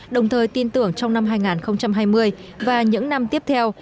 đồng thời tin tưởng trong năm hai nghìn hai mươi và những năm tiếp theo